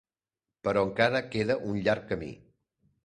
Però encara queda un llarg camí.